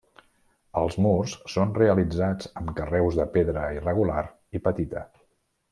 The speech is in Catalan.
Els murs són realitzats amb carreus de pedra irregular i petita.